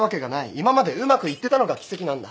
今までうまくいってたのが奇跡なんだ。